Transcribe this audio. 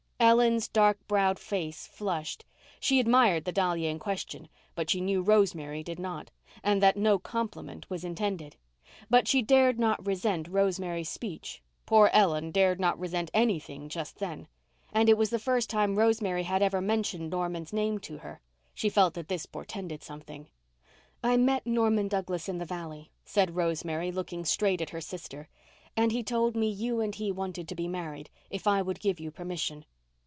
Ellen's dark browed face flushed. She admired the dahlia in question, but she knew Rosemary did not, and that no compliment was intended. But she dared not resent Rosemary's speech—poor Ellen dared not resent anything just then. And it was the first time Rosemary had ever mentioned Norman's name to her. She felt that this portended something. "I met Norman Douglas in the valley," said Rosemary, looking straight at her sister, "and he told me you and he wanted to be married—if I would give you permission."